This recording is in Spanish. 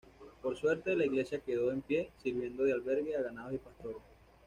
Por suerte, la iglesia quedó en pie, sirviendo de albergue a ganados y pastores.